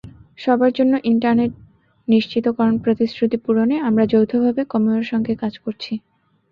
সবার জন্য ইন্টারনেট নিশ্চিতকরণ প্রতিশ্রুতি পূরণে আমরা যৌথভাবে কমোয়োর সঙ্গে কাজ করছি।